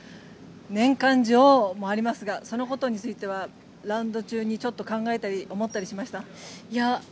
年間女王もありますがそのことについてはラウンド中にちょっと考えたり思ったりしました？